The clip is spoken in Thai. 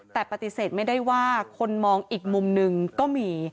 แต่ปฏิเสธไม่ได้ว่าคนมองอีกมุมหนึ่งก็มี